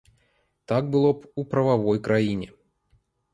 Так было б у прававой краіне.